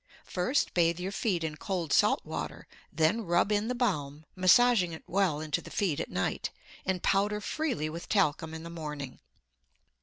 First bathe your feet in cold salt water, then rub in the balm, massaging it well into the feet at night, and powder freely with talcum in the morning.